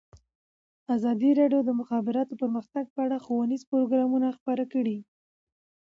ازادي راډیو د د مخابراتو پرمختګ په اړه ښوونیز پروګرامونه خپاره کړي.